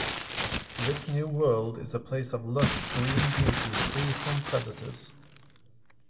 This new world is a place of lush green beauty free from predators.